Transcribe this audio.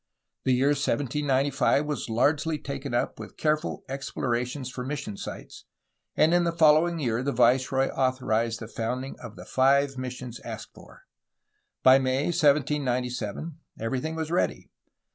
The year 1795 was largely taken up with careful explorations for mission sites, and in the following year the viceroy authorized the founding of the five missions asked for. By May 1797 everything was ready.